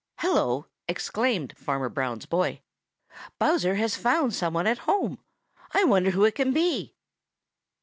"Hello!" exclaimed Farmer Brown's boy, "Bowser has found some one at home! I wonder who it can be."